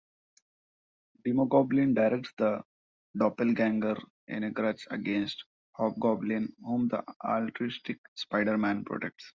Demogoblin directs the Doppelganger in a grudge against Hobgoblin, whom the altruistic Spider-Man protects.